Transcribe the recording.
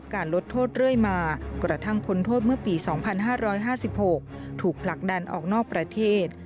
กระทั่งผลโทษเมื่อปี๒๕๕๖ถูกผลักดันออกนอกประเทศ